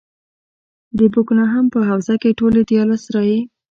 د بوکنګهم په حوزه کې ټولې دیارلس رایې.